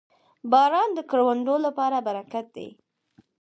• باران د کروندو لپاره برکت دی.